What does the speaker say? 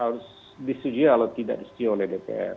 harus disuji kalau tidak disuji oleh dpr